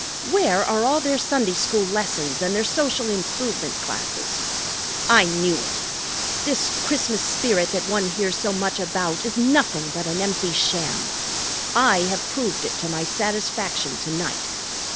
Where are all their Sunday School lessons and their social improvement classes? I knew it! This Christmas spirit that one hears so much about is nothing but an empty sham. I have proved it to my satisfaction to night.